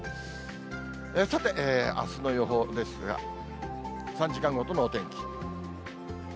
さて、あすの予報ですが、３時間ごとのお天気。